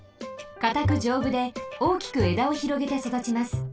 かたくじょうぶで大きくえだをひろげてそだちます。